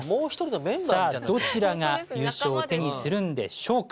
さあどちらが優勝を手にするんでしょうか？